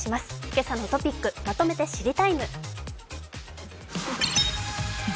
今朝のトピック、まとめて知りＴＩＭＥ。